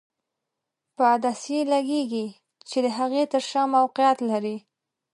په عدسیې لګیږي چې د هغې تر شا موقعیت لري.